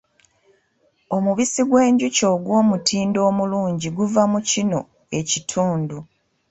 Omubisi gw'enjuki ogw'omutindo omulungi guva mu kino ekitundu.